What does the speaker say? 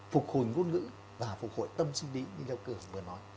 phục hồi ngôn ngữ và phục hồi tâm sinh lý như lâu cường vừa nói